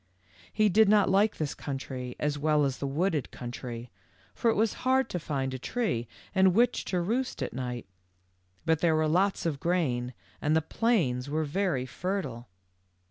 He did not like this country as well as the wooded country, for it was hard to find a tree in which to roost at night, but there was lots of grain, and the plains were very fertile.